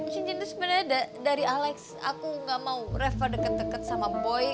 cincin itu sebenarnya dari alex aku gak mau reva deket deket sama boy